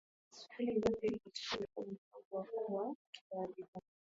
hali yoyote itakayojitokeza ikiwa na mpango wa kuwa na akiba ya bidhaa